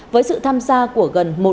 với sự tham gia của gần một